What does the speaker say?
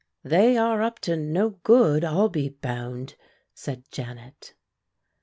"They are up to no good I'll be bound," said Janet.